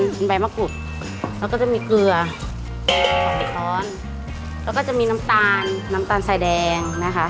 บ่ายมะกุดแล้วก็จะมีเกลือแล้วก็จะมีน้ำตาลน้ำตาลสายแดงนะคะ